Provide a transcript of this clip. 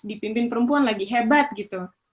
dipimpin perempuan lagi hebat gitu